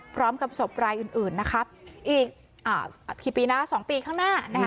พร้อมกับศพรายอื่นอื่นนะครับอีกกี่ปีนะ๒ปีข้างหน้านะคะ